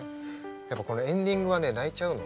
やっぱこのエンディングはね泣いちゃうの。